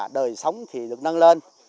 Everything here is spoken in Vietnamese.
thì sống thì được nâng lên